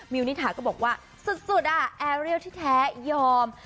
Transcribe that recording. นิถาก็บอกว่าสุดแอร์เรียลที่แท้ยอม